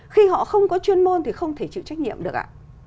khi họ không có chuyên môn thì không thể chịu trách nhiệm được ạ